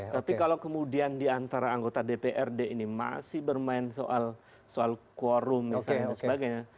tapi kalau kemudian diantara anggota dprd ini masih bermain soal quorum misalnya dan sebagainya